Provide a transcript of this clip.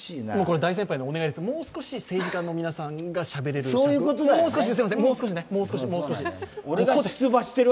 大先輩のお願いです、もう少し政治家の皆さんがしゃべれるもう少し、もう少し。